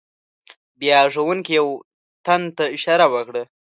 بیا ښوونکي یو تن ته اشاره وکړه.